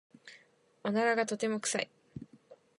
おならがとても臭い。